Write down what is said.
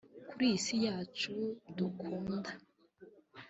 kuri iyi si yacu dukunda